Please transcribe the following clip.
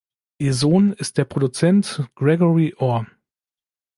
Ihr Sohn ist der Produzent Gregory Orr.